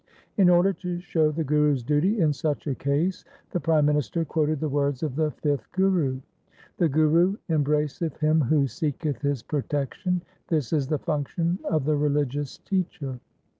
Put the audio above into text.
In order to show the Guru's duty in such a case, the prime minister quoted the words of the fifth Guru :— The Guru embraceth him who seeketh his protection ; this is the function of the religious teacher.